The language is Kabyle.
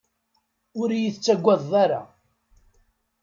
Ur iyi-tettagadeḍ ara.